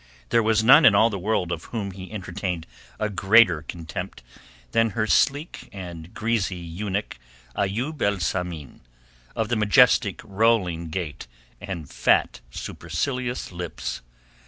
There was none in all the world of whom he entertained a greater contempt than her sleek and greasy eunuch Ayoub el Samin of the majestic, rolling gait and fat, supercilious lips.